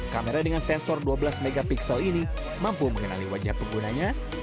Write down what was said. kamera dengan sensor dua belas mp ini mampu mengenali wajah penggunanya